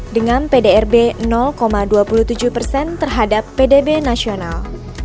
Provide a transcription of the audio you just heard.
dengan pdrb dua puluh tujuh persen terhadap pdb nasional